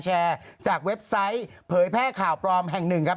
แชร์จากเว็บไซต์เผยแพร่ข่าวปลอมแห่งหนึ่งครับ